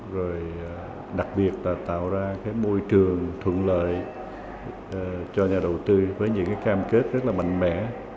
rồi đặc biệt là tạo ra cái môi trường thuận lợi cho nhà đầu tư với những cái cam kết rất là mạnh mẽ